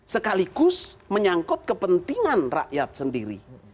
sekaligus menyangkut kepentingan rakyat sendiri